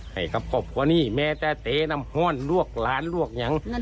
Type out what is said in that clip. ให้ครอบครัวนี่แม้แต่เตะนำฮ่อนรวกร้านรวกยัง